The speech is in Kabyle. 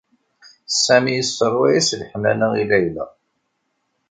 Sami yesseṛwa-as leḥnana i Layla.